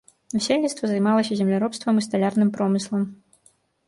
Насельніцтва займалася земляробствам і сталярным промыслам.